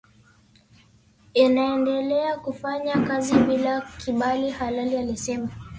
inaendelea kufanya kazi bila kibali halali alisema